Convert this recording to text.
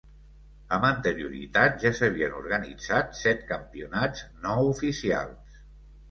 Amb anterioritat ja s'havien organitzat set campionats no oficials.